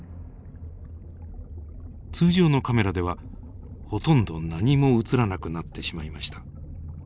通常のカメラではほとんど何も映らなくなってしまいました。